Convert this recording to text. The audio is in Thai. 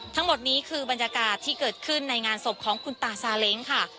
ทั้งหมดนี้คือบรรยากาศที่เกิดขึ้นในงานศพของคุณตาซาเล้งค่ะ